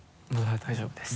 大丈夫です。